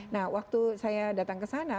nah waktu saya datang kesana